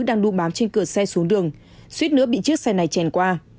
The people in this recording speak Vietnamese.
đang đu bám trên cửa xe xuống đường suýt nữa bị chiếc xe này chèn qua